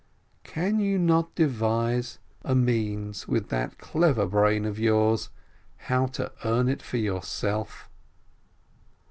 Can you not devise a means, with that clever brain of yours, how to earn it for yourself?